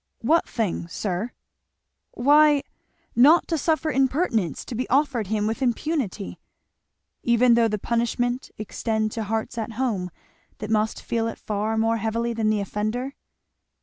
"What thing, sir?" "Why, not to suffer impertinence to be offered him with impunity." "Even though the punishment extend to hearts at home that must feel it far more heavily than the offender?"